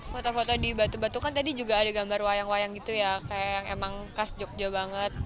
foto foto di batu batu kan tadi juga ada gambar wayang wayang gitu ya kayak yang emang khas jogja banget